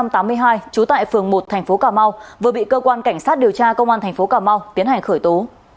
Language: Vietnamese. trú tại phường một tp cm vừa bị cơ quan cảnh sát điều tra công an tp cm tiến hành khởi tố